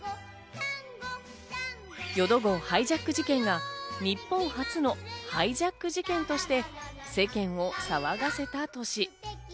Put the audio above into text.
よど号ハイジャック事件は日本初のハイジャック事件として世間を騒がせた年。